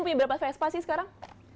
punya berapa vespa sih sekarang